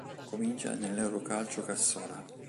Comincia nell'Eurocalcio Cassola.